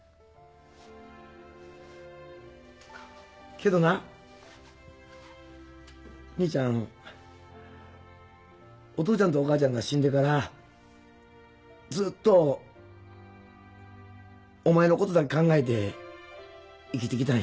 けどな兄ちゃんお父ちゃんとお母ちゃんが死んでからずっとお前のことだけ考えて生きてきたんや。